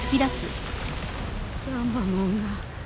ガンマモンが。